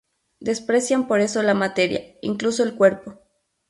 Desprecian por eso la materia, incluso el cuerpo.